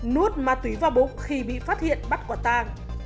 nuốt ma túy vào bụng khi bị phát hiện bắt quả tàng